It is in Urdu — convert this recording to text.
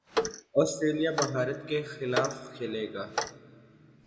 آسٹریلیا بھارت کے خلاف کھیلے گا